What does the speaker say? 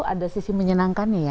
ada sisi menyenangkannya ya